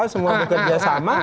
semua bekerja sama